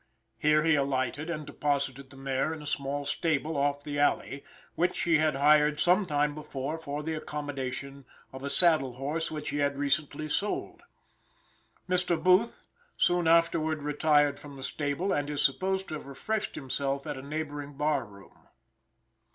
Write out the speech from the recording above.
Here he alighted and deposited the mare in a small stable off the alley, which he had hired sometime before for the accommodation of a saddle horse which he had recently sold. Mr. Booth soon afterward retired from the stable, and is supposed to have refreshed himself at a neighboring bar room.